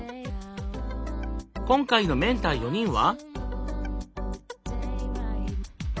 今回のメンター４人は？